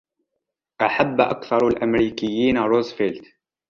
أحب أكثر الأمريكيين روزفلت.